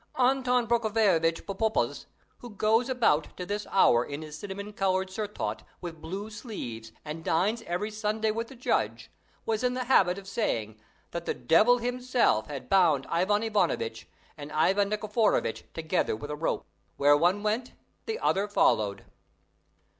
Anton Prokofievitch Pupopuz, who goes about to this hour in his cinnamon coloured surtout with blue sleeves and dines every Sunday with the judge, was in the habit of saying that the Devil himself had bound Ivan Ivanovitch and Ivan Nikiforovitch together with a rope: where one went, the other followed.